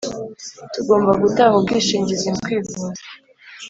Tugomba gutanga ubwishingizi mukwivuza